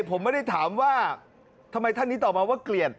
ผมไม่ได้ถามว่าทำไมท่านนี้ตอบมาว่าเกลียด